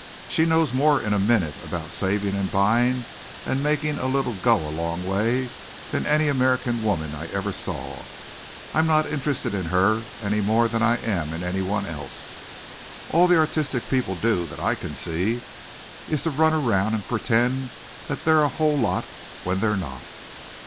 She knows more in a minute about saving and buying and making a little go a long way than any American woman I ever saw. I'm not interested in her any more than I am in anyone else. All the artistic people do, that I can see, is to run around and pretend that they're a whole lot when they're not."